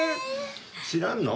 知らんの？